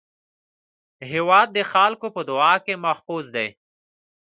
هېواد د خلکو په دعا کې محفوظ دی.